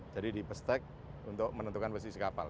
jadi dipestek untuk menentukan posisi kapal